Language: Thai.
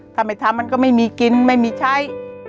ถ้าไม่ทำมันก็ไม่มีกินไม่มีใช้